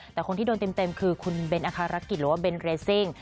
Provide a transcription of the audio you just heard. แต่คนที่โดนเต็มคือคุณเบนอาคารกิจหรือว่าเบนเรสซิ่ง